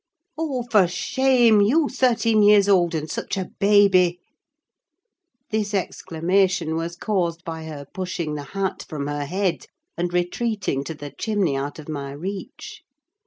Oh, for shame! You thirteen years old, and such a baby!" This exclamation was caused by her pushing the hat from her head, and retreating to the chimney out of my reach.